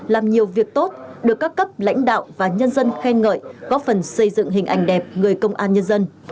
làm nhiều việc tốt được các cấp lãnh đạo và nhân dân khen ngợi góp phần xây dựng hình ảnh đẹp người công an nhân dân